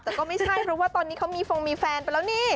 แต่ก็ไม่ใช่เพราะว่าตอนนี้เขามีฟงมีแฟนไปแล้วนี่